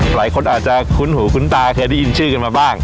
หลายคนอาจจะคุ้นหูคุ้นตาเคยได้ยินชื่อกันมาบ้าง